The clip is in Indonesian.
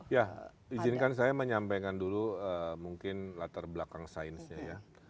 ya izinkan saya menyampaikan dulu mungkin latar belakang sainsnya ya